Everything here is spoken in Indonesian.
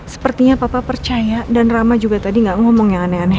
sepertinya papa percaya dan rama juga tadi nggak ngomong yang aneh aneh